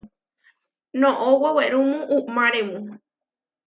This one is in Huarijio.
Noʼó wewerúmu umáremu.